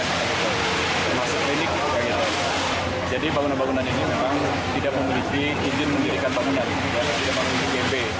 termasuk klinik jadi bangunan bangunan ini memang tidak memiliki izin mendirikan bangunan